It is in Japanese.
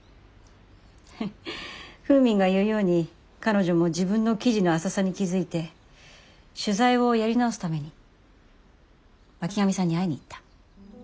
フーミンが言うように彼女も自分の記事の浅さに気付いて取材をやり直すために巻上さんに会いに行った。